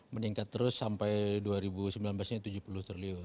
meningkat terus sampai dua ribu sembilan belas ini tujuh puluh triliun